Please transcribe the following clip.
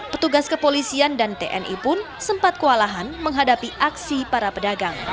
petugas kepolisian dan tni pun sempat kewalahan menghadapi aksi para pedagang